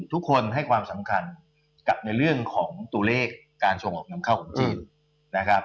ทุกคนให้ความสำคัญกับในเรื่องของตัวเลขการส่งออกนำเข้าของจีนนะครับ